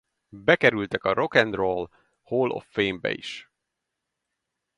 Bekerültek a Rock and Roll Hall of Fame-be is.